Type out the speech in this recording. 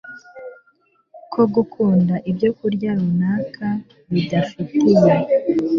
ko gukunda ibyokurya runaka bidafitiye